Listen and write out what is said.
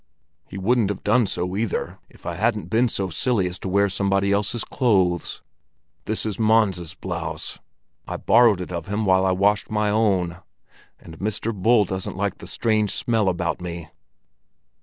He wouldn't have done so, either, if I hadn't been so silly as to wear somebody else's clothes. This is Mons's blouse; I borrowed it of him while I washed my own. And Mr. Bull didn't like the strange smell about me.